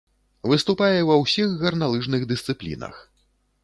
Выступае ва ўсіх гарналыжных дысцыплінах.